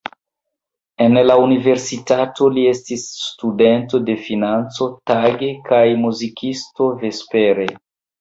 En la universitato li estis studento de financo tage kaj muzikisto vespere.